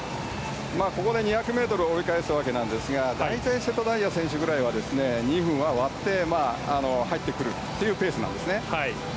ここで２００ｍを折り返したわけですが大体、瀬戸大也選手ぐらいは２分は割って入ってくるというペースなんですね。